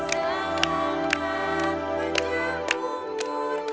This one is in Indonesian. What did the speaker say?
selamat berjambu mur